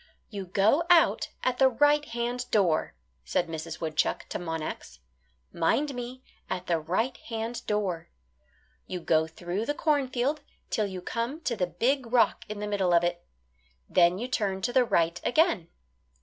"You go out at the right hand door," said Mrs. Woodchuck to Monax; "mind me, at the right hand door. You go through the cornfield 'till you come to the big rock in the middle of it. Then you turn to the right again."